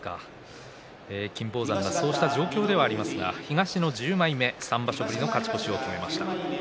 金峰山がそういう状態ですが東の１０枚目で３場所ぶりの勝ち越しを決めました。